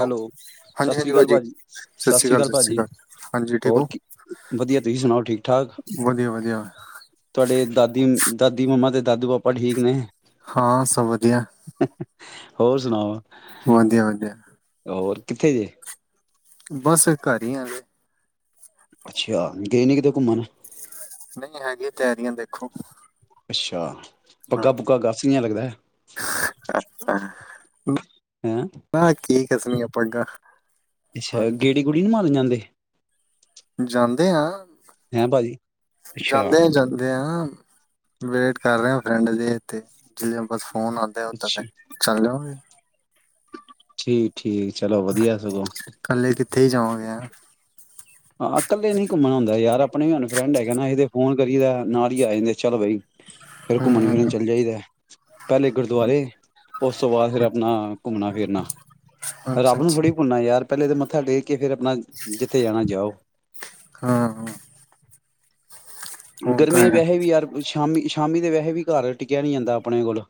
Hello ਸਤਿ ਹਾਂਜੀ ਸ਼੍ਰੀ ਹਾਂਜੀ ਅਕਾਲ ਭਾਜੀ ਸਤਿ ਸ਼੍ਰੀ ਅਕਾਲ ਭਾਜੀ ਹੋਰ ਕੀ ਵਧੀਆ ਤੁਸੀਂ ਸੁਣਾਓ ਠੀਕ ਠਾਕ ਵਧੀਆ ਵਧੀਆ ਤੁਹਾਡੇ ਦਾਦੀ ਦਾਦੀ ਮੰਮਾ ਤੇ ਦਾਦੂ ਪਾਪਾ ਠੀਕ ਨੇ ਹਾਂ ਸਭ ਵਧੀਆ ਹੋਰ ਸੁਣਾਓ ਵਧੀਆ ਵਧੀਆ ਹੋਰ ਕਿੱਥੇ ਜੇ ਬਸ ਘਰ ਹੀ ਆਜ। ਅੱਛਾ ਗਏ ਨੇ ਕਿਤੇ ਘੁੰਮਣ। ਨਹੀਂ ਹੈਗੀ ਤਿਆਰੀਆਂ ਦੇਖੋ। ਅੱਛਾ। ਹਾਂ ਪੱਗਾਂ ਪੁਗਾ ਕਾਸ ਲਾਇਆ ਲੱਗਦਾ ਹੈ। ਬਸ ਠੀਕ। ਕਾਸ ਲੀਆਂ ਪੱਗਾਂ। ਹਾਂ ਅੱਛਾ ਗੱਡੀ ਗੂੜੀ ਨਹੀਂ ਮਾਰਨ ਜਾਂਦੇ। [inaudible] ਜਾਂਦੇ ਹਾਂ। ਹੈਂ ਭਾਜੀ ਅੱਛਾ ਜਾਂਦੇ ਆ ਜਾਂਦੇ ਹਾਂ। ਵੇਟ ਕਰ ਰਿਹਾ ਪਿੰਡ ਦੇ ਇਥੇ। [unintelligible] ਫੋਨ ਆਉਂਦੇ ਓਦਾਂ ਤੇ ਚੱਲ ਜਾਵਾਂਗੇ। ਠੀਕ-ਠੀਕ। ਠੀਕ ਚਲੋ ਵਧੀਆ ਸਗੋਂ। ਤੈ ਜਾਮਗੇ ਹੈ। ਹਾਂ ਇਕੱਲੇ ਨਹੀਂ ਘੁੰਮਣਾ ਹੁੰਦਾ ਯਾਰ ਆਪਣੇ ਫਰੈਂਡ ਹੈਗਾ ਨਾ ਇਹਦੇ ਫੋਨ ਕਰੀਦਾ ਨਾਲ ਹੀ ਆ ਜਾਂਦੇ ਚਲੋ ਬਈ। ਫਿਰ ਘੁੰਮਣ ਫਿਰਨ ਹੂੰ ਚੱਲ ਜਾਈਦਾ ਪਹਿਲੇ ਗੁਰਦੁਆਰੇ ਉਸ ਤੋਂ ਬਾਅਦ ਫਿਰ ਆਪਣਾ ਘੁੰਮਣਾ ਫਿਰਨਾ ਅੱਛਾ ਰੱਬ ਨੂੰ ਅੱਛਾ ਥੋੜ੍ਹੀ ਭੁੱਲਣਾ ਯਾਰ। ਪਹਿਲੇ ਤੇ ਮੱਥਾ ਟੇਕ ਕੇ ਫਿਰ ਅੱਪਾ ਆਪਣਾ ਜਿੱਥੇ ਜਾਣਾ। ਜਾਓ। ਹਾਂ ਹਾਂ। ਉਹ ਤਾਂ ਗਰਮੀਆਂ ਦੇ ਹੈ ਵਿਆਹੇ ਵੀ ਯਾਰ ਕੁਛ ਸ਼ਾਮੀ ਸ਼ਾਮੀ ਦੇ ਵੈਸੇ ਵੀ ਘਰ ਟਿੱਕਿਆ ਨਹੀਂ ਜਾਂਦਾ ਆਪਣੇ ਕੋਲ।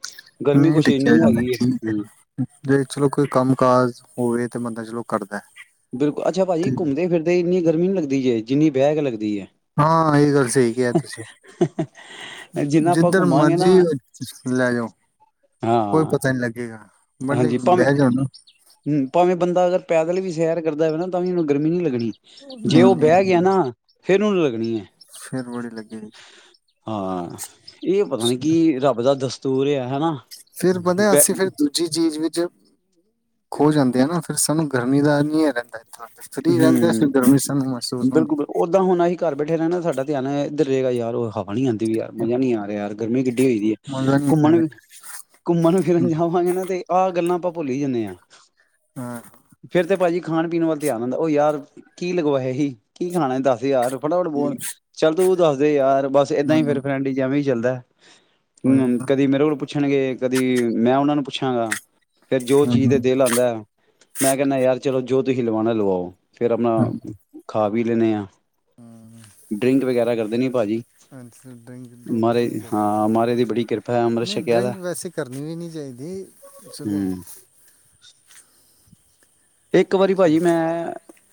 ਗਰਮੀ ਨਹੀਂ ਕੁਛ ਟਿਕੀਆਂ ਇੰਨੀ ਜਾਂਦਾ ਹੈਗੀ ਏ ਹੂੰ। ਜੀ ਚਲੋ ਕੋਈ ਕੰਮ ਕਾਜ। ਹੋਵੇ ਤੇ ਬੰਦਾ ਚਲੋ ਕਰਦਾ ਹੈ। ਬਿਲਕੁਲ ਅੱਛਾ ਪਾਜੀ ਤੇ- ਘੁੰਮਦੇ ਫਿਰਦੇ ਇੰਨੀ ਗ਼ਰਮੀ ਲੱਗਦੀ ਹੈਏ ਜਿੰਨੀ ਬਹਿ ਕੇ ਲਗਦੀ ਏ। ਹਾਂ ਇਹ ਗੱਲ ਸਹੀ ਕਿਹਾ ਤੁਸੀਂ ਜਿੰਨਾ ਆਪਾਂ ਜਿੰਦਰ ਘੁੰਮਾਂਗੇ ਨਾ ਮਰਜ਼ੀ ਲੈ ਜਾਓ ਕੋਈ ਹਾਂ ਪਤਾ ਨੀ ਲੱਗੇਗਾ। ਮਤਲਬ ਹਾਂਜੀ। ਕਿ ਭਾਵੇਂ ਬਹਿ ਜਾਓ ਨਾ ਹਮ ਭਾਵੇਂ ਬੰਦਾ ਅਗਰ ਪੈਦਲ ਵੀ ਸੈਰ ਕਰਦਾ ਹੋਵੇ ਨਾ ਤਾਂ ਵੀ ਉਹਨੂੰ ਗਰਮੀ ਨੀ ਲੱਗਣੀ। ਜੇ ਉਹ ਨਹੀਂ ਬਹਿ ਗਿਆ ਨਹੀਂ ਨਾ ਫੇਿਰ ਉਹਨੂੰ [unintelligible] ਫਿਰ ਬੜੀ ਲੱਗੇਗੀ ਹਾਂ ਇਹ ਪਤਾ ਨੀ ਕਿ ਰੱਬ ਦਾ ਦੱਸ ਤੂਰਿਆ ਹਨਾ। ਫੇਰ ਬੰਦੇ ਅਸੀਂ ਬਹਿ ਫਿਰ ਦੂ ਦੂਜੀ ਚੀਜ਼ ਵਿੱਚ ਖੋ ਜਾਂਦੇ ਆ ਨਾ ਫਿਰ ਸਾਨੂੰ ਗਰਮੀ ਦਾ [unintelligible] ਰਹਿੰਦਾ। ਇਤਨਾ ਫਰੀ ਰਹਿੰਦੇ ਆ, ਹਮ ਫਿਰ ਗਰਮੀ ਸਾਨੂੰ ਮਹਿਸੂਸ ਹੁੰਦੀ ਬਿਲਕੁਲ ਹੈ। ਓਦਾਂ ਹੁਣ ਅਸੀਂ ਘਰ ਬੈਠੇ ਰਹਿੰਣਾ ਸਾਡਾ ਧਿਆਨ ਇਧਰ ਗਾ ਯਾਰ ਉਹ ਬਾਹਣੀ ਆਦੀ ਵੀ ਯਾਰ ਮਜ਼ਾ ਨੀ ਆ ਰਿਹਾ ਯਾਰ ਗਰਮੀ ਕਿੱਡੀ ਹੋਦੀ ਹੈ ਮਜ਼ਾ ਨਹੀਂ ਆ ਘੁੰਮਣ, ਰਿਹਾ ਘੁੰਮਣ ਫਿਰਨ ਜਾਵਾਂਗੇ ਨਾ ਤੇ ਆਹ ਗੱਲਾਂ ਆਪਾਂ ਭੁੱਲਹੀ ਜਾਨੇ ਆ। ਹਾਂ ਫਿਰ ਤੇ ਭਾਜੀ ਖਾਣ-ਪੀਣ ਵਾਲ ਧਿਆਨ ਹੁੰਦਾ ਉਹ ਯਾਰ ਕੀ ਲਗਵਾਇਆ ਹੀ ਕੀ ਖਾਣਾ ਦੱਸ। ਯਾਰ ਫਟਾਫਟ ਬੋਲ ਠੀਕ ਚੱਲ ਤੂੰ ਦੱਸਦੇ ਯਾਰ ਬਸ ਏਦਾਂ ਹੀ ਮੈਨੂੰ ਫਿਰ ਫਰੈਂਡ ਚ ਐਵੇਂ ਹੀ ਚੱਲਦਾ। ਹੋਇਆ ਹਮ ਨਾ ਕਦੀ ਮੇਰੇ ਕੋਲ ਪੁੱ ਪੁੱਛਣਗੇ ਕਦੀ ਮੈਂ ਉਹਨਾਂ ਨੂੰ ਪੁੱਛਾਂਗਾ। ਫਰ ਜੋ ਚੀਜ਼ ਹਮ, ਤੇ ਹਮ। ਦਿਲ ਆਉਂਦਾ ਮੈਂ ਕਹਿੰਦਾ ਯਾਰ ਚਲੋ ਜੋੋ ਤੁਸੀ ਲਵਣਾ ਲਵਾਓ। ਫੇਰ ਹਮ। ਆਪਣਾ ਖਾ ਵੀ ਦੇਨੇ ਆ। ਡਰਿੰਕ ਵਗੈਰਾ ਕਰ ਨੀ ਭਾਜੀ। ਹਜੀ ਡਰਿੰਕ-ਡਰੂਕ ਮਾਰੇ ਨਹੀਂ ਕਰਦੇ ਹਾਂ ਮਾਰੇ ਦੀ ਬੜੀ ਕਿਰਪਾ ਹੈ ਤੁਸੀ ਅੰਮ੍ਰਿਤ ਨਹੀਂ ਛਕਿਆ ਦਾ ਡਰਿੰਕ ਵੈਸੇ ਕਰਨੀ ਵੀ ਨੀ ਚਾਹੀਦੀ ਚਲੋ ਹੂੰ ਇੱਕ ਵਾਰੀ ਭਾਜੀ ਮੈਂ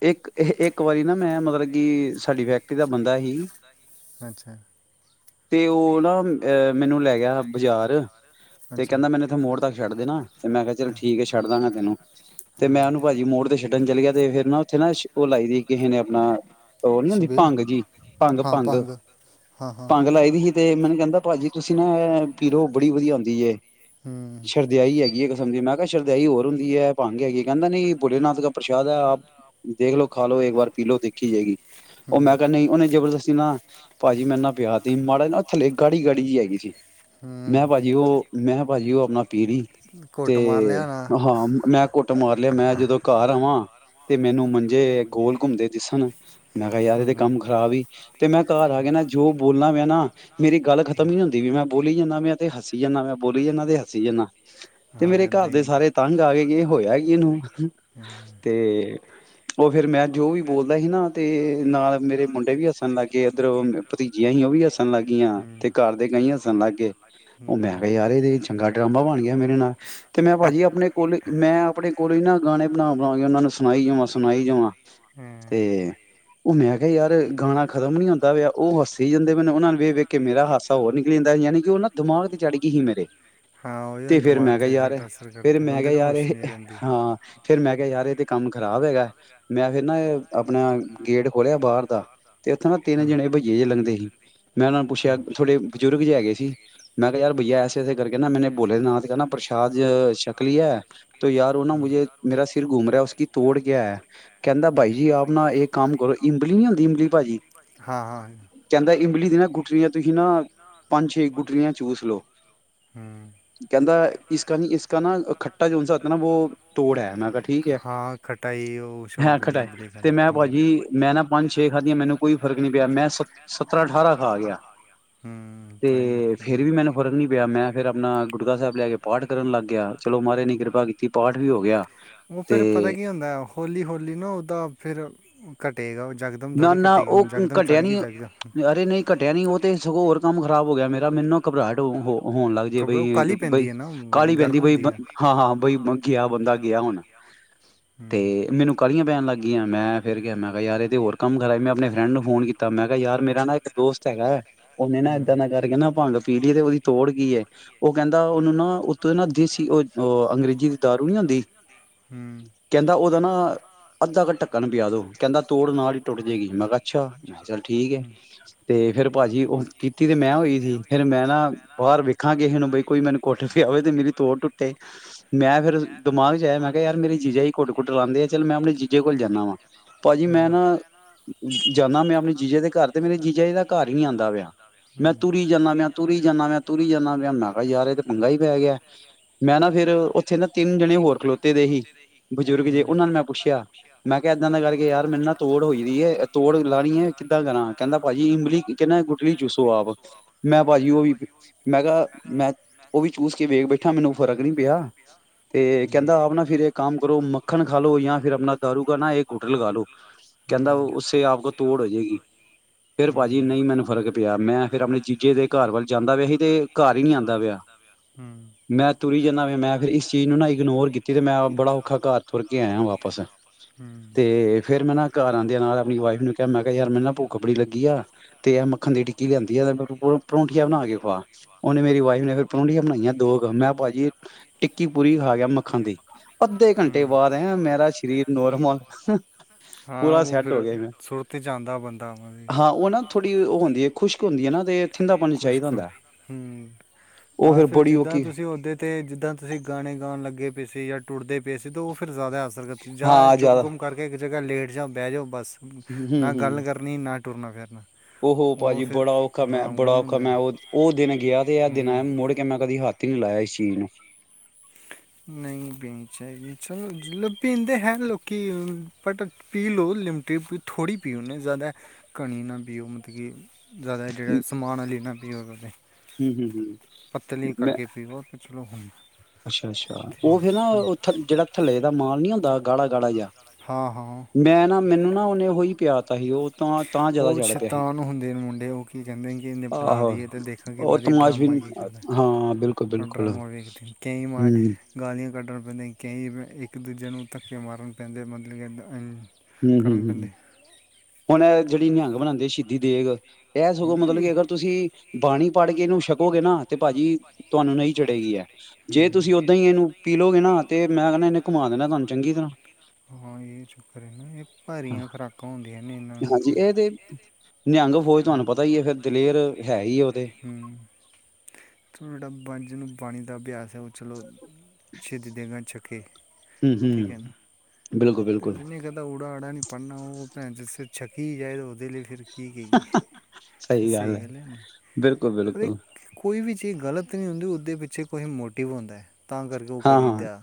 ਇੱਕ-ਇੱਕ ਵਾਰੀ ਨਾ ਮੈਂ ਮਤਲਬ ਕਿ ਸਾਡੀ ਫੈਕਟਰੀ ਦਾ ਬੰਦਾ ਸੀ। ਅੱਛਾ ਤੇ ਉਹ ਨਾ ਅ ਮੈਨੂੰ ਲੈ ਗਿਆ ਬਾਜ਼ਾਰ ਤੇ ਅੱਛਾ ਕਹਿੰਦਾ ਮੈਨੂੰ ਇੱਥੇ ਮੋੜ ਤੱਕ ਛੱਡ ਦੇਨਾ ਤੇ ਮੈਂ ਕਿਹਾ ਚਲੋ ਠੀਕ ਹੈ ਛੱਡ ਦਾਂਗਾ ਤੈਨੂੰ ਤੇ ਹਾਂ ਮੈਂ ਉਹਨੂੰ ਭਾਜੀ ਮੋੜ ਤੇ ਛੱਡਣ ਚੱਲ ਗਿਆ ਤੇ ਫੇਰ ਨਾ ਉੱਥੇ ਨਾ ਉਹ ਲਾਈ ਦੀ ਕਿਸੇ ਨੇ ਆਪਣਾ ਉਹ ਨੀ ਹੁੰਦੀ ਸ਼ਬੀਲ ਭੰਗ ਜੀ ਹਾਂ ਭੰਗ-ਭੰਗ, ਭੰਗ ਹਾਂ ਹਾਂ ਭੰਗ ਲਾਈ ਦੀ ਸੀ ਤੇ ਮੈਨੂੰ ਕਹਿੰਦਾ ਭਾਜੀ ਤੁਸੀਂ ਨਾ ਪੀਲੋ ਬੜੀ ਵਧੀਆ ਹੁੰਦੀ ਜੇ। ਹੂੰ ਸਰਦੇਆਈ ਹੈਗੀ ਆ ਇੱਕ ਕਿਸਮ ਦੀ ਮੈਮ ਸਰਦੇਆਈ ਹੋਰ ਹੂੰਦੀ ਹੈ ਭੰਗ ਹੈਗੀ ਕਹਿੰਦਾ ਨਹੀਂ ਭੋਲੇ ਨਾਥ ਦਾ ਪ੍ਰਸ਼ਾਦ ਹੈ ਆਪ ਦੇਖਲੋ ਖਾ ਲੋਓ ਇੱਕ ਵਾਰ ਪੀ ਲੋਓ ਦੇਖੀ ਜਾਏਗੀ। ਉਹ ਹੂੰ ਮੈਂ ਕਿਹਾ ਨਈ ਉਹਨੇ ਜਬਰਦਸਤੀ ਨਾ ਭਾਜੀ ਮੈਂ ਨਾ ਪਿਆਤਿ ਮਾੜਾ ਜ ਨਾ ਥੱਲੇ ਗਾੜੀ ਗਾੜੀ ਜੀ ਹੈਗੀ ਸੀ ਮੈਂ ਹੂੰ ਭਾਜੀ ਉਹ ਮੈਂ ਭਾਜੀ ਉਹ ਆਪਣਾ ਪੀ ਲਈ ਘੁੱਟ ਮਾਰ ਤੇ ਲਿਆ ਨਾ ਹਾਂ ਮੈਂ ਕੁੱਟ ਮਾਰ ਲਿਆ ਮੈਂ ਜ ਦੋਂ ਘਰ ਆਵਾਂ ਤੇ ਮੈਨੂੰ ਮੰਜੇ ਗੋਲ ਘੁੰਮਦੇ ਦਿਸਣ ਮੈਂ ਕਿਹਾ ਯਾਰ ਇਹਦੇ ਹੂੰ ਕੰਮ ਖ਼ਰਾਬ ਈ ਤੇ ਮੈਂ ਘਰ ਆ ਕੇ ਨਾ ਜੋ ਬੋਲਣਾ ਮੈਂ ਨਾ ਮੇਰੀ ਗੱਲ ਖਤਮ ਨੀ ਹੁੰਦੀ ਪਈ। ਮੈਂ ਬੋਲੀ ਜਾਂਨਾ ਵੈਂ ਤੇ ਹਸੀ ਜਾਂਨਾ, ਮੈਂ ਬੋਲੀ ਜਾਂਦਾ ਤੇ ਹਸੀ ਜਾਂਨਾਂ। ਤੇ ਹਾਂ ਮੇਰੇ ਏਦਾਂ ਘਰ ਹੀ ਦੇ ਹੁੰਦਾ ਸਾਰੇ ਤੰਗ ਆ ਗਏ ਕਿ ਹੋਇਆ ਕੀ ਇਹਨੂੰ ਹੂੰ ਤੇ ਉਹ ਫੇਿਰ ਮੈਂ ਜੋ ਵੀ ਬੋਲਦਾ ਹੀ ਨਾ ਤੇ ਨਾਲ ਮੇਰੇ ਮੁੰਡੇ ਵੀ ਹੱਸਣ ਲੱਗ ਗਏ ਇੱਧਰ ਭਤੀਜੀਆਂ ਸੀ ਉਹ ਵੀ ਹੱਸਣ ਲੱਗ ਗਈਆਂ ਤੇ ਹੂੰ ਘਰ ਦੇ ਕਈ ਹੱਸਣ ਲੱਗ ਗਏ ਉਹ ਮੈਂ ਹੂੰ, ਕਿਹਾ ਯਾਰ ਇਹ ਚੰਗਾ ਡਰਾਮਾ ਬਣ ਗਿਆ ਮੇਰੇ ਨਾਲ ਤੇ ਮੈਂ ਭਾਜੀ ਆਪਣੇ ਕੋਲ ਮੈਂ ਆਪਣੇ ਕੋਲ ਹੀ ਨਾ ਬਣਾ ਬਣਾ ਕੇ ਉਹਨਾਂ ਨੂੰ ਸੁਣਾਈ ਜਾਵਾਂ ਸੁਣਾਈ ਜਾਵਾਂ ਹੂੰ ਤੇ ਉਹ ਮੈਂ ਕਿਹਾ ਯਾਰ ਗਾਣਾ ਖਤਮ ਨੀ ਹੁੰਦਾ ਪਿਆ। ਉਹ ਹਸੀ ਹੀ ਜਾਂਦੇ ਨੇ ਉਹਨਾਂ ਨੂੰ ਵੇਖ ਵੇਖ ਕੇ ਮੇਰਾ ਹਾਸਾ ਹੋਰ ਨਿਕਲੀ ਜਾਂਦਾ ਯਾਨੀ ਕਿ ਉਹ ਨਾ ਦਿਮਾਗ ਤੇ ਚੜ੍ਹ ਗਈ ਸੀ ਮੇਰੇ ਹਾਂ ਉਹ ਯਾਰ ਤੇ ਫੇਰ ਦਿਮਾਗ ਮੈਂ ਕਿਹਾ ਤੇ ਯਾਰ ਸਾਡਾ ਅਸਰ ਫੇਰ ਕਰਦੇ ਮੈਂ ਬੰਦੇ ਕਿਹਾ ਨੂੰ ਯਾਰ ਹੋਸ਼ ਇਹ ਨਹੀਂ ਰਹਿੰਦੀ ਹਾਂ ਫੇਰ ਮੈਂ ਕਿਹਾ ਯਾਰ ਇਹ ਤੇ ਕੰਮ ਖ਼ਰਾਬ ਹੈਗਾ ਮੈਂ ਫੇਰ ਨਾ ਇਹ ਆਪਣਾ ਗੇਟ ਖੋਲਿਆ ਬਾਹਰ ਦਾ ਤੇ ਉੱਥੇ ਨਾ ਤਿੰਨ ਹੂੰ ਜਣੇ ਬਈਏ ਜਿਹੇ ਲੰਘਦੇ ਸੀ ਮੈਂ ਉਹਨਾਂ ਨੂੰ ਪੁੱਛਿਆ ਹੂੰ ਹੂੰ, ਤੁਹਾਡੇ ਬਜ਼ੁਰਗ ਜੇ ਹੈਗੇ ਸੀ ਮੈਂ ਕਿਹਾ ਯਾਰ ਬਈਆ ਐਸੇ ਐਸੇ ਕਰਕੇ ਨਾ ਮੈਨੇ ਬੋਲੇ ਨਾਥ ਕਾ ਨਾਂ ਪ੍ਰਸ਼ਾਦ ਸ਼ਕ ਲਿਆ ਤ ਯਾਰ ਉਹ ਨੂੰ ਹੂੰ। ਮੁਝੇ ਮੇਰਾ ਸਿਰ ਗੂਮ ਰਹਾ ਹੈ ਉਸਕੀ ਤੋੜ ਕਿਆ ਹੈ ਤੋ ਕਹਿੰਦਾ ਬਾਈ ਇੱਕ ਕਾਮ ਕਰੋ ਇਮਲੀ ਨਹੀਂ ਹੁੰਦੀ ਇਮਲੀ ਪਾਜੀ ਹਾਂ ਹਾਂ ਕਹਿੰਦਾ ਇਮਲੀ ਦੀ ਨਾ ਗੁਠਲੀਆਂ ਤੁਸੀਂ ਨਾ ਪੰਜ ਛੇ ਗੁਟਲੀਆਂ ਚੂਸ ਲਓ ਹੂੰ ਕਹਿੰਦਾ ਇਸਕਾ ਨੀ ਇਸਕਾ ਨਾ ਖੱਟਾ ਜੋ ਹੋਤਾ ਹੈ ਨਾ ਵੋ ਤੋੜ ਹੈ ਮੈਂ ਕਿਹਾ ਠੀਕ ਹੈ ਹੈ ਖਟਾਏ ਤੇ ਮੈਂ ਭਾਜੀ ਮੈਂ ਨਾ ਪੰਜ ਛੇ ਖਾਧੀਆਂ ਮੈਨੂੰ ਕੋਈ ਫ਼ਰਕ ਨੀ ਪਿਆ ਮੈਂ ਸ ਸਤਰਾਂ ਅਠਾਰਾਂ ਖਾ ਗਿਆ ਹੂੰ ਤੇ ਤਾਂ ਹੀ ਕਰਕੇ ਨਾ ਫੇਰ ਵੀ ਮੈਨੂੰ ਫ਼ਰਕ ਨੀ ਪਿਆ ਮੈਂ ਫੇਿਰ ਆਪਣਾ ਗੁਰੁਆਰਾ ਸਾਹਿਬ ਲੈ ਕੇ ਪਾਠ ਕਰਨ ਲੱਗ ਗਿਆ ਚਲੋ ਮਹਾਰਾਜ ਨੇ ਕਿਰਪਾ ਕੀਤੀ ਪਾਠ ਵੀ ਹੋ ਗਿਆ ਉਹ ਫੇਰ ਪਤਾ ਤੇ ਕੀ ਹੁੰਦਾ ਹੋੌਲੀ ਹੋੌਲੀ ਨਾ ਉਹਦਾ ਫਿਰ ਘਟੇਗਾ ਓਹ ਜ਼ ਜਕਦਮ ਨਾ ਥੋੜੀ ਨਾ ਘਟੇਗੀ ਹੁਣ ਨਾ ਉਹ ਜਕਦਮ ਚੜ ਘਟਿਆ ਗਈ ਨੀ ਵਧੀਆ ਜਕਦਮ ਅਰੇ ਨਹੀਂ ਘਟਿਆ ਨੀ ਉਹ ਤੇ ਸਗੋਂ ਹੋਰ ਕੰਮ ਖ਼ਰਾਬ ਹੋ ਗਿਆ ਮੇਰਾ ਮੈਨੂੰ ਘਬਰਾਹਟ ਹੋ ਹੋ ਹੋਣ ਲੱਗ ਜੇ ਕਬ ਉਹ ਬਈ, ਕਾਲੀ ਬਈ ਪੈਂਦੀ ਹੈ ਨਾ ਉਹ ਬੜੀ ਕਾਹਲੀ ਪੈਂਦੀ ਗਰਮ ਬਈ ਹੁੰਦੀ ਹੈ ਹਾਂ ਹਾਂ ਬਈ ਗਿਆ ਬੰਦਾ ਗਿਆ ਹੂੰ ਹੁਣ, ਹੂੰ ਉਹਨੇ ਤੇ ਮੈਨੂੰ ਕਾਹਲੀਆਂ ਪੈਣ ਲੱਗ ਗੀ ਏ ਮੈਂ ਫੇਰ ਕਿਹਾ ਮੈਂ ਕਿਹਾ ਯਾਰ ਤੇ ਹੋਰ ਕੰਮ ਖਰਾਬ ਮੈਂ ਆਪਨੇ ਫਰੈਂਡ ਨੂੰ ਫੋਨ ਕੀਤਾ। ਤਾਂ ਮੈਂ ਕਿਹਾ ਯਾਰ ਮੇਰਾ ਨਾ ਇੱਕ ਦੋਸਤ ਹੈਗਾ ਉਹਨੇ ਨਾ ਇਦਾਂ ਇਦਾਂ ਕਰਕੇ ਨਾ ਭੰਗ ਪੀਲੀ ਤੇ ਉਹਦੀ ਤੋੜ ਕੀ ਹੈ? ਉਹ ਕਹਿੰਦਾ ਉਹਨੂੰ ਨਾ ਉਤੋਂ ਨਾ ਦੇਸੀ ਉਹ ਅੰਗਰੇਜ਼ੀ ਦੀ ਦਾਰੂ ਨੀ ਆਉਂਦੀ, ਹੂੰ ਕਹਿੰਦਾ ਉਹਦਾ ਨਾ ਅੱਧਾ ਕੁ ਢੱਕਣ ਪਿਆ ਦੋ ਕਹਿੰਦਾ ਤੋੜ ਨਾਲ ਟੁੱਟ ਜੇਗੀ ਮੈਂ ਕਿਹਾ ਅੱਛਾੈਂ ਕਿਹਾ ਚੱਲ ਠੀਕ ਠੀਕ ਹੈ ਤੇ ਫੇਿਰ ਭਾਜੀ ਉਹ ਪੀਤੀ ਤੇ ਮੈਂ ਹੋਈ ਸੀ ਫੇਰ ਮੈਂ ਨਾ ਬਾਹਰ ਵੇਖਾਂ ਕਿਸੇ ਨੂੰ ਬਈ ਕੋਈ ਮੈਨੂੰ ਘੁੱਟ ਪਿਆ ਵੇ ਤੇ ਮੇਰੀ ਤੋੜ ਟੁੱਟੇ ਮੈਂ ਫੇਰ ਦਿਮਾਗ ਚ ਆਇਆ ਮੈਂ ਕਿਹਾ ਯਾਰ ਮੇਰੀ ਜੀਜਾ ਹੀ ਘੁੱਟ ਘੁੱਟ ਲਾਉਂਦੇ ਆ ਚੱਲ ਮੈਂ ਆਪਣੇ ਜੀਜੇ ਕੋਲ ਜਾਂਦਾ ਵਾ ਭਾਜੀ ਹੂੰ ਮੈਂ ਨਾ ਏ ਜਾਂਨਾ ਮੈਂ ਆਪਣੀ ਜੀਜੇ ਦੇ ਦੇ ਘਰ ਤੇ ਮੈਨੂੰ ਆਪਣੇ ਜੀਜੇ ਦਾ ਘਰ ਹੀ ਨਹੀਂ ਆਉਂਦਾ ਪਿਆ। ਮੈਂ ਹੂੰ ਤੁਰੀ ਜਾਨਾ ਪਿਆ, ਤੁਰੀ ਜਾਨਾ ਪਿਆ, ਤੁਰੀ ਜਾਨਾ ਪਿਆ। ਮੈਂ ਕਿਹਾ ਯਾਰ ਇਹ ਤੇ ਪੰਗਾ ਹੀ ਪੈ ਗਿਆ। ਮੈਂ ਨਾ ਫਿਰ ਉੱਥੇ ਤਿੰਨ ਜਣੇ ਹੋਰ ਖਲੋਤੇ ਦੇ ਸੀ ਬਜ਼ੁਰਗ ਹੂੰ ਜੇ ਉਹਨਾਂ ਨੂੰ ਮੈਂ ਪੁੱਛਿਆ ਇਦਾਂ ਇਦਾਂ ਕਰਕੇ ਯਾਰ ਮੈਨੂੰ ਨਾ ਤੋੜ ਹੋਈ ਆ ਪੀ ਆ ਤੋੜ ਲਾਣੀ ਆ ਕਿੱਦਾਂ ਤ੍ਹਾਂ ਕਹਿੰਦਾ ਭਾਜੀ ਇਮਲੀ ਕਹਿੰਦਾ ਗੁਟਲੀ ਚੂਸੋ ਆਪ ਮੈਂ ਭਾਜੀ ਉਹ ਵੀ ਮੈਂ ਕਿਹਾ ਮੈਂ ਉਹ ਵੀ ਚੂਸ ਕੇ ਵੇਖ ਬੈਠਾ ਮੈਨੂੰ ਫਰਕ ਨੀ ਪਿਆ ਤੇ ਕਹਿੰਦਾ ਆਪ ਨਾ ਫਿਰ ਇਹ ਕੰਮ ਕਰੋ ਮੱਖਣ ਖਾਾਲੋ ਜਾਂ ਫਿਰ ਆਪਣਾ ਦਾਰੂ ਕਰ ਨਾ ਇਹ ਗੁੱਟ ਲਗਾ ਲੋ ਕਹਿੰਦਾ ਉਸੇ ਆਪ ਕੋ ਤੋੜ ਹੋ ਜਾਏਗੀ ਫੇਿਰ ਭਾਜੀ ਨਹੀਂ ਮੈਨੂੰ ਫਰਕ ਪਿਆ ਮੈਂ ਫੇਿਰ ਆਪਣੇ ਚੀਜੇ ਦੇ ਘਰ ਵੱਲ ਜਾਂਦਾ ਪਿਆ ਸੀ ਤੇ ਘਰ ਹੀ ਨਹੀਂੀ ਆਉਂਦਾ ਪਿਆ ਮੈਂ ਤੁਰ ਜਾਂਦਾ ਪਿਆ ਮੈਂ ਫਿਰ ਇਸ ਚੀਜ਼ ਨੂੰ ਨਾ ਇਗਨੋਰ ਕੀਤੀ ਤੇ ਮੈਂ ਬੜਾ ਔਖਾ ਘਰ ਤੁਰ ਕੇ ਆਇਆ ਵਾਪਸ ਤੇ ਫੇਿਰ ਮੈਂ ਨਾ ਘਰ ਆਂਦੇ ਨਾਲ ਆਪਣੀ ਵਾਈਫ ਨੂੰ ਕਿਹਾ ਮੈਂ ਕਿਹਾ ਯਾਰ ਮੈ ਨਾ ਕੱਪੜੀ ਲੱਗੀ ਆ ਤੇ ਇਹ ਮੱਖਣ ਦੀ ਟਿੱਕੀ ਲਿਆਂਦੀ ਆ ਮ ਪਰੌਂਠੀੀਆਂ ਬਣਾ ਕੇ ਖਾਆ ਉਹਨੇ ਮੇਰੀ ਵਾਈਫ ਨੇ ਫਿਰ ਪਰੋਂਂਠੀੀਆਂ ਬਣਾਈਆਂ ਦੋ ਕੁ ਮੈਂ ਭਾਜੀ ਟਿੱਕੀ ਪੂਰੀ ਖਾ ਗਿਆ ਮੱਖਣ ਦੀ ਅੱਧੇ ਘੰਟੇ ਬਾਅਦ ਐ ਮੇਰਾ ਸਰੀਰ ਨੋਰਮਲ ਪੂਰਾ ਸੈੱਟ ਹੋ ਫੇਿਰ ਗਿਆ ਮੈਂ ਸੁੁਰ ਤੇ ਜਾਂਦਾ ਬੰਦਾ ਹਾਂ ਉਹ ਨਾ ਥੋੜੀ ਉਹ ਹੁੰਦੀ ਹੈ ਖੁਸ਼ਕ ਹੁੰਦੀ ਹੈ ਨਾ ਤੇ ਥਿੰਦਾ ਪਾਣੀ ਚਾਹੀਦਾ ਖੁਸ਼ਕ ਹੁੰਦਾ ਹਮ ਉਹ ਨਾ ਫੇਰ ਫਿਰ ਬੜੀ ਜਿੱਦਾਂ ਔਖੀ ਤੁਸੀਂ ਓਦੇ ਤੇ ਜਿੱਦਾਂ ਤੁਸੀਂ ਗਾਣੇ ਗਾਉਣ ਲੱਗੇ ਪਏ ਸੀੇ ਜਾਂ ਟੁੱਟਦੇ ਪਏ ਸੀ ਤੇ ਉਹ ਫਿਰ ਜ਼ਿਆਦਾ ਜਾਂ ਹਾਂ ਚੁੱਪ ਜ਼ਿਆਦਾ ਗੁੰਮ ਕਰਕੇ ਜ੍ਹਾ ਲੇਟ ਜਾਚ ਬਹਿ ਜਾ ਬੱਸ ਨਾ ਗੱਲ ਕਰ [unintelligible] ਉਹਹ ਭਾਜੀ ਬੜਾਔਖਾ ਮੈਂ ਬੜਾ ਕਰਨੇ ਔਖਾ ਹੁੰਦਾ ਮੈਂ ਹੈ। ਉਹ ਉਹ ਦਿਨ ਗਿਆ ਤੇ ਇਹ ਦਿਨ ਮੁੜ ਕੇ ਮੈਂ ਕਦੀ ਹੱਥ ਤਿੰ ਲਾਇਆ ਇਸ ਚੀਜ਼ ਨੂੰ ਨਹੀਂ ਪੀਣੀ ਚਾਹੀਦੀ ਚਲੋ ਜ ਲ ਪੀਂਦੇ ਹੈਾਂ ਲੋਕੀ ਬਟ ਪੀ ਲਓ ਲਿਮਟਿਥੋੜ੍ਹੀ ਪੀਓਣੇ ਜ਼ਿਆਦਾ ਕਣੀ ਨਾ ਪੀਓ ਮਤਲਬ ਕਿ ਜ਼ਿਆਦਾ ਜਿਹੜਾ ਹੂੰ ਸਮਾਨ ਲੀ ਨਾ ਪੀਓ ਕਦੇ ਹੂੰ ਹੂੰ ਪੱਤਲੀ ਮੈਂ ਕਰਕੇ ਪੀਓ ਫ ਚਲੋ ਹੁੰਦਾ ਅੱਛਾ ਅੱਛਾ ਉਹ ਫੇਿਰ ਨਾਥ ਜਿਹੜਾ ਥੱਲੇ ਦਾ ਮਾਲ ਨੀ ਆਉਂਦਾ ਦਾ ਗਾੜਾ ਗਾੜਾ ਜਾ ਹਾਂ ਹਾਂ ਮੈਂ ਨਾ ਮੈਨੂੰ ਨਾ ਉਹਨੇ ਉਹੀ ਪਿਆ ਸੀ ਉਹ ਤਾਂ ਤਾਂ ਜ਼ਿਆਦਾ ਉਹ ਚ੍ਹ ਪਿਆ ਸੀ ਸ਼ੈਤਾਨ ਹੁੰਦੇ ਨੇ ਮੁੰਡੇ ਉਹ ਕੀ ਕਹਿੰਦੇ ਨੇ ਕਿ ਇਹਨੇ ਬੁਲਾ ਆਹੋ ਦਈਏ ਤੇ ਦੇਖਾਂ ਕਿ ਉਹ ਬਾਦੀ ਤਮਾਸ਼ ਵੀ ਡਰਾਮਾ ਨ ਕੀ ਕਰਦਾ ਹੈ। ਹਾਂ ਬਿਲਕੁਲ ਉਹ ਬਿਲਕੁਲ ਡਰਾਮਾ ਵੇਖਦੇ ਨੇ ਕਈ ਮੈਂ ਗਾਲੀਆਂ ਕਢਣ ਪੈਂਦਾਆਂ ਕਈ ਇੱਕ ਦੂਜੇ ਨੂੰ ਧੱਕੇ ਮਾਰਨ ਪੈਂਦੇ ਮਤਲਬ ਕਿ ਹਮ ਕਰਨ ਹਮ ਹਮ ਪੈਂਦੇ ਹੁਣ ਜਿਹੜੀ ਨਿਹੰਗ ਬਣਾਉਂਦੇ ਆ ਸ਼ਹੀਦੀ ਦੇ ਗਾ ਇਹ ਸਗੋਂ ਮਤਲਬ ਕਿ ਅਗਰ ਤੁਸੀਂ ਬਾਣੀ ਪਾੜ ਕੇ ਇਹਨੂੰ ਛਕੋਗੇ ਨਾ ਤੇ ਭਾਜੀ ਤੁਹਾਨੂੰ ਨਹੀਂ ਚੜੇਗੀ ਹੈ ਜੇ ਹਮ ਤੁਸੀਂ ਓਦਾਂ ਹੀ ਇਹਨੂੰ ਪੀਲੋਗੇ ਨਾ ਤੇ ਮੈਂ ਕਹਿੰਦਾ ਇਹਨੇ ਘੁਮਾ ਦੇਿੰਦਾ ਤੁਹਾਨੂੰ ਚੰਗੀ ਤਰ੍ਹਾਂ ਦੇਣਾ ਹਾਂ ਇਹ ਚੱਕਰ ਇਹ ਭਾਰੀਆਂ ਖੁਰਾਕਾਂ ਹੁੰਦੀਆਂ ਨੇ ਇਹਨਾਂ ਨੂੰ ਹਾਂਜੀ ਫਿਰ ਇਹ ਤੇ ਨਿਹੰਗ ਪਤਾ ਹੀ ਹੈ ਫੇਿਰ ਦਲੇਰ ਹੈ ਹੀ ਆ ਉਹਦੇ ਹੂੰ ਪਾਣੀ ਦਾ ਅਭਿਆਸ [unintelligible] [unintelligible] ਹਮ ਠੀਕ ਹਮ ਹੈ ਨਾ ਤੇ ਜਿਨੇ ਕਹਿੰਦਾ ਉੜਾ ਅੜਾ ਨ ਪੜ੍ਹਨਾ ਜਿਸ ਛੱਕੀ ਜਾਵੇ ਤਾਂ ਉਹਦੇ ਲਈ ਫਿਰ ਕੀ ਕਹੀਏ ਸਹੀ ਗੱਲ ਹੈ ਬਿਲ [unintelligible] ਕੋਈ ਵੀ ਚੀਜ਼ ਗਲਤ ਨਹੀਂ ਹੁੰਦੀ ਉਹਦੇ ਪਿੱਛੇ ਕੁਈ ਮੋਟਿਵ ਹੁੰਦਾ ਤਾਂ ਕਰਕੇ ਉਹ ਹਾਂ ਹਾਂ ਕਰੀਦਾ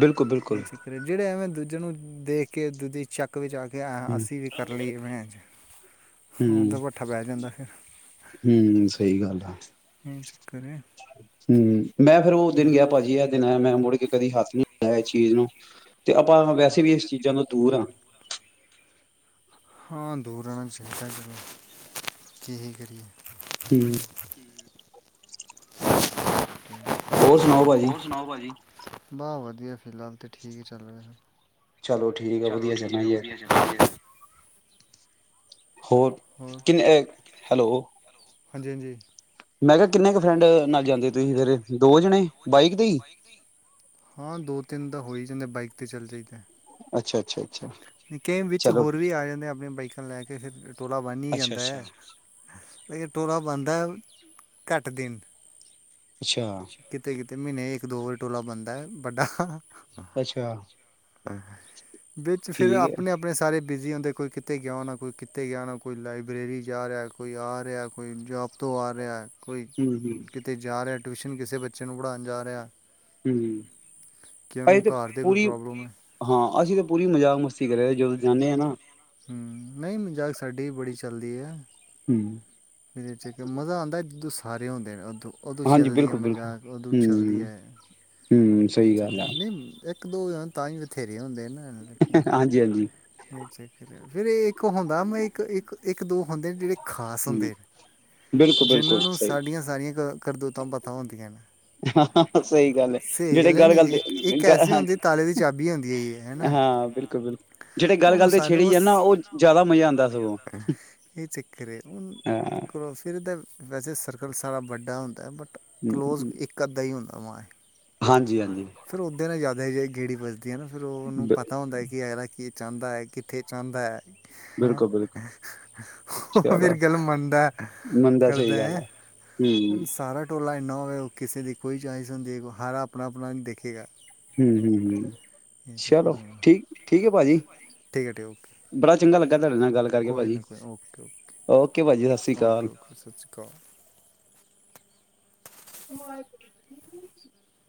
ਬਿਲਕੁਲ ਬਿਲਕੁਲ ਇਹ ਚੱਕਰ ਹੈ ਜਹੜੇ ਐਵੇਂ ਦੂਜੇ ਨੂੰ ਦੇਖ ਕੇ ਦੂਜੀ ਚੱਕ ਵਿੱਚ ਆ ਕੇ ਕਿ ਅਸੀਂ ਵੀ ਕਰ ਲਈਏ ਮੈਂਚ ਹਮ ਫਿਰ ਹਮ ਸਹੀ ਗੱਲ ਆ ਇਹ ਚੱਕਰ ਹੈ ਹੂੰ ਮੈਂ ਦਿਨ ਗਿਆ ਭਾਜੀ ਇਹ ਦਿਨ ਆਇ ਮੈਂ ਮੁੜ ਕੇ ਕਦੀ ਹੱਥ ਨਹੀਂ ਲਦਾ ਇਸ ਚੀਜ਼ ਨੂੰ ਤੇ ਆਪਾਂ ਵੈਸੇ ਵੀ ਇਸ ਚੀਜ਼ਾਂ ਨੂੰ ਦੂਰ ਹਾਂ ਹਾਂ ਦੂਰ ਰਹਿਣਾ ਚਾਹੀਦਾ ਜ ਕੀ ਹੀ ਕਰੀਏ ਹਮ ਹੋਰ ਸੁਣਾਓ ਭਾਜੀ ਬਾਹ ਵਧੀਆ ਫਿਲਹਾਲ ਤਾਂ ਠੀਕ ਚੱਲ ਰਿਹਾ ਚਲੋ ਠੀਕ ਆ ਚਲੋ ਵਧੀਆ ਚੱਲਣਾ ਠੀਕ ਆ ਯਾਰ, ਵਧੀਆ ਚਣਾਗੇ ਹੋਰ ਕਿੰਨੇ ਹੈਲੋ ਹਾਂਜੀ ਹਾਂਜੀ ਮੈਂ ਕਿਹਾ ਕਿੰਨੇ ਕੁ ਫਰੈਂਡ ਨਾਲ ਜਾਂਦੇ ਤੁਸੀਂ ਫਿਰ ਦੋ ਜਣੇ ਬਾਈਕ ਤੇ ਹੀ ਹਾਂ ਦੋ ਤਿੰਨ ਦਾ ਹੋ ਹੀ ਜਾਂਦਾ ਬਾਈਕ ਤੇ ਚੱਲ ਜਾਈਦਾ ਅੱਛਾ ਅੱਛਾ ਅੱਛਾ ਕਈ ਵਿੱਚ ਚਲੋ ਹੋਰ ਵੀ ਆ ਜਾਂਦੇ ਆਪਣੀਆਂ ਬਾਈਕ ਲੈ ਕੇ ਫਿਰ ਤੋਲਾ ਬਨੀ ਅੱਛਾ ਜਾਂਦਾ ਅੱਛਾ ਹੈ ਲੇਕਿਨ ਟੋਲਾ ਬਣਦਾ ਹੈ ਕੱਟ ਦਿਨ ਅੱਛਾ ਕਿਤੇ ਕਿਤੇ ਮਹੀਨੇ ਇੱਕ ਦੋ ਵਾਰੀ ਟੋਲਾ ਬਣਦਾ ਹੈ ਵੱਡਾ ਅੱਛਾ। ਵਿੱਚ ਫੇਰ ਠੀਕ ਹੈ ਆਪਣੇ ਆਪਣੇ ਸਾ ਸਾਰੇ ਬਿਜ਼ੀ ਹੁੰਦੇ, ਕੋਈ ਕਿਤੇ ਗਿਆ ਹੋਣਾ ਕੋਈ ਕਿਤੇ ਗਿਆ ਹੋਣਾ ਕੋਈ ਲਾਇਬ੍ਰੇਰੀ ਜਾ ਰਿਆ ਕੋਈ ਆ ਰਿਐ ਕੋਈ ਜੋਬ ਤੋਂ ਆ ਰਿਐ। ਕੋਈ ਹੂੰ ਹੂੰ ਕਿਤੇ ਜਾ ਰਿਐ। ਟਿਊਸ਼ਨ ਕਿਸੇ ਬੱਚੇ ਨੂੰ ਪੜ੍ਹਾਣ ਜਾ ਰਿਆ। ਹੂੰ, ਅਸੀਂ ਤੇ ਘਰ ਦੇ ਕੋਈ ਪੂਰੀ ਪ੍ਰੋਬਲਮ ਹੈ ਹਾਂ ਅਸੀਂ ਤੇ ਪੂਰੀ ਮਜ਼ਾਕ ਮਸਤੀ ਕਰੇ ਜਦੋਂ ਜਾਂਣੇ ਆ ਨਾ। ਨਹੀਂ ਮਜ਼ਾਕ ਸਾਡੀ ਵੀ ਬੜੀ ਚੱਲਦੀ ਐ। ਹੂੰ। ਵੇਚੇ ਕੇ ਮਜ਼ਾ ਆਂਦੈ ਦੂਸ ਸਾਰੇ ਹੁੰਦੇ ਨੇ ਔਦੂ ਓਦੋਂ ਹਾਂਜੀ ਛਿਲਦੀ ਐ ਬਿਲਕੁਲ ਬਿਲਕੁਲ ਮਜ਼ਾਕ ਓਦੋਂ ਚੱਲਦੀ ਹੂੰ ਐ, ਹੂੰ ਸਹੀ ਅਛਾ ਗੱਲ ਅਛਾ ਆ ਨਹੀਂ। ਇੱਕ ਦੋ ਜਾਣ ਤਾਂ ਈ ਬਥੇਰ ਰੇ ਹੁੰਦੇ ਨ ਲੇਕਿਨ ਹਾਂਜੀ ਹਾਂਜੀ ਯੇ ਚੱਕਰ ਫਿਰ ਏ ਇੱਕ ਹੁੰਦਾ ਮੈਂ ਇੱਕ ਇੱਕ ਇੱਕ ਦੋ ਹੁੰਦੇ ਨੇ ਜੇੜੇ ਖਾਸ ਹੂੰ ਹੁੰਦੇ। ਬਿਲਕੁਲ ਬਿਲਕੁਲ, ਸਹੀ। ਨੀਕ ਕਰਦੂਤਾਂ ਪਤਾ ਹੁੰਦੀਆਂ ਨੇ। ਹਾਂ, ਸਹੀ ਗੱਲ ਐ ਸਹੀ ਜੇੜੇ ਹੈ ਗੱਲ ਗੱਲ ਨਹੀਂ ਇੱਕ ਤੇ ਇੱਕ ਗ ਐਸੀ ਹਾਂ, ਹੁੰਦੀ ਤਾਲੇ ਦੀ ਹਾਂ ਬਿਲਕੁਲ ਬਿਲਕੁਲ। ਜਿਹੜੇ ਗੱਲ ਔਨੁ ਗੱਲ ਤੇ ਸਾਰੇ ਛੇੜੀ ਜਾ ਔਸ ਨਾ ਉਹ ਜ਼ਿਆਦਾ ਮਜ਼ਾ ਆਉਂਦਾ ਸਗੋਂ ਏ ਚੱਕਰ ਏ ਔਨੁ ਹਾਂ ਕਰੋ ਫਿਰ ਦੈ ਵੈਸੇ ਸਰਕਲ ਸਾਰਾ ਵੱਡਾ ਹੂੰਦੈ ਬਟ ਕਲੋਜ਼ ਹਮ, ਇੱਕ ਅੱਧਾ ਈ ਹੁਣਾ। ਅਮਾਂ ਏ। ਹਾਂਜੀ ਹਾਂਜੀ। ਰ ਤੇ ਗੇੜੀ ਵਜ ਦੀ ਐ ਨਾ ਫਿਰ ਔ ਔਨੂੰ ਬ ਪਤਾ ਹੁੰਦੈ ਕਿ ਅਗਲਾ ਕੀ ਚਾੰਦਾ ਐ ਕਿੱਥੇ ਚਾੰਦਾ ਐ। ਹੈਂ ਬਿਲਕੁਲ ਬਿਲਕੁਲ ਓਹ ਫੇਰ ਚਲੋ ਗੱਲ ਮੰਨਦੈ ਮੰਨਦਾ ਸਹੀ ਗੱਲ ਕਰਦੈ ਹੈ ਹਮ ਔਣ ਸਾਰਾ ਟੋਲਾ ਨਾ ਹੋਵੇ ਔ ਕਿਸੇ ਦੀ ਕੋਈ ਚੋਇਸ ਹੁੰਦੀ ਏ ਹਰਾ ਅਪਣਾ ਅਪਣਾ ਨ ਦੇਖੇਗਾ। ਹੂੰ ਹੂੰ ਹੂੰ ਇਹ ਚੱਕਰ ਚਲੋ, ਹੋਣਾ ਠੀਕ ਠੀਕ ਏ। ਭਾਜੀ। ਠੀਕ ਹੈ ਠੀਕ ਓਕੇ ਬੜਾ ਚੰਗਾ ਲੱਗਾ ਤਾਡੇ ਨਾਲ ਗੱਲ ਕਰਕੇ ਕੋਈ ਭਾਜੀ, ਨਾ ਕੋਈ ਓਕੇ ਓਕੇ ਓਕੇ ਭਾਜੀ ਸ ਓਕੇ ਓਕੇ ਸਤਿ ਸ਼੍ਰੀ ਅਕਾਲ। [unintelligible]